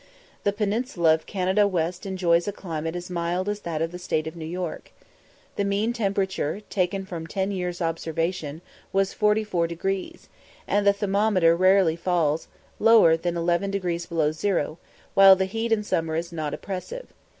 The peninsula of Canada West enjoys a climate as mild as that of the state of New York. The mean temperature, taken from ten years' observation, was 44°, and the thermometer rarely falls lower than 11° below zero, while the heat in summer is not oppressive.